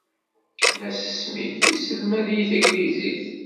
Mass Smith yesselmad-iyi taglizit.